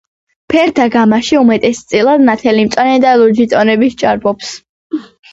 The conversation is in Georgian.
ფერთა გამაში უმეტესწილად ნათელი მწვანე და ლურჯი ტონები სჭარბობს.